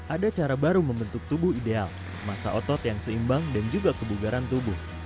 ada cara baru membentuk tubuh ideal masa otot yang seimbang dan juga kebugaran tubuh